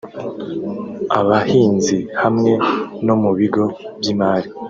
abahinzi hamwe no mu bigo by’imari